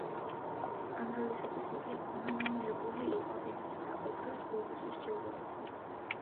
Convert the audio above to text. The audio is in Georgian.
ამ როლისათვის იგი ნომინირებული იყო ემისა და ოქროს გლობუსის ჯილდოებზე.